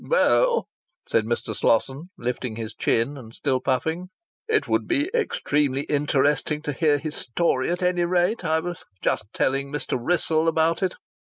"Well," said Mr. Slosson, lifting his chin, and still puffing, "it would be extremely interesting to hear his story at any rate. I was just telling Mr. Wrissell about it.